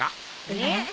えっ？